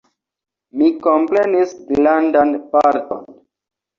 Mi komprenis grandan parton.